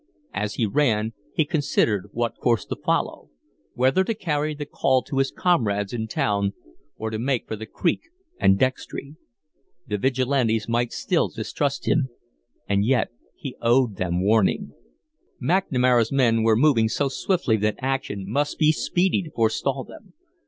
As he ran he considered what course to follow whether to carry the call to his comrades in town or to make for the Creek and Dextry. The Vigilantes might still distrust him, and yet he owed them warning. McNamara's men were moving so swiftly that action must be speedy to forestall them.